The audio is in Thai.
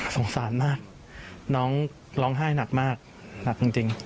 สงสารมากน้องร้องไห้หนักมากหนักจริง